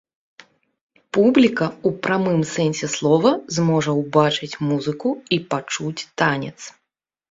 Публіка ў прамым сэнсе слова зможа ўбачыць музыку і пачуць танец.